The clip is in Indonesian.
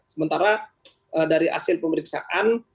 sementara dari hasil pemeriksaan